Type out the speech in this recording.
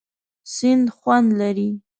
سیند خوند لري.